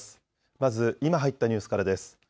まず今入ったニュースからです。